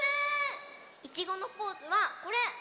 いちごのポーズはこれ！